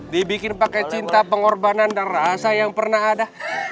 dibikin pakai cinta pengorbanan dan rasa yang pernah ada